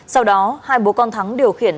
sau đó hai bố con thắng điều khiển